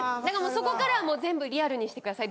そこからはもう全部リアルにしてください。